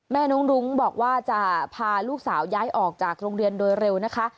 น้องรุ้งบอกว่าจะพาลูกสาวย้ายออกจากโรงเรียนโดยเร็วนะคะ